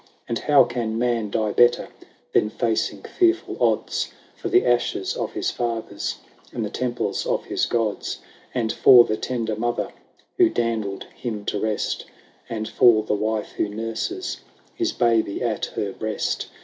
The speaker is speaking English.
And how can man die better Than facing fearful odds, For the ashes of his fathers And the temples of his Gods, XXVIII. " And for the tender mother Who dandled him to rest. And for the wife who nurses His baby at her breast.